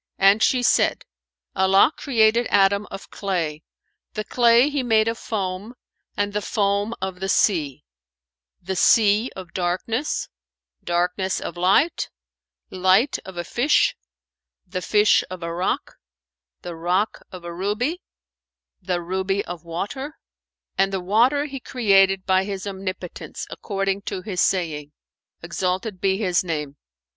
and she said, "Allah created Adam of clay: the clay He made of foam and the foam of the sea, the sea of darkness, darkness of light, light of a fish, the fish of a rock, the rock of a ruby, the ruby of water, and the water He created by His Omnipotence according to His saying (exalted be His name!)